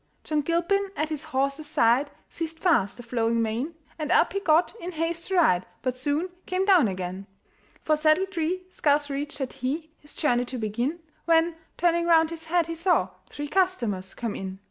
John Gilpin at his horse's side Seized fast the flowing mane, And up he got, in haste to ride, But soon came down again; For saddletree scarce reached had he, His journey to begin, When, turning round his head, he saw Three customers come in.